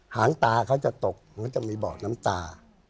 หางตาเขาจะตกเขาจะมีบ่อน้ำตา